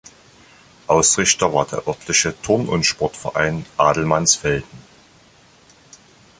Ausrichter war der örtliche Turn- und Sportverein Adelmannsfelden.